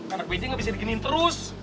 anak baiknya gak bisa diginiin terus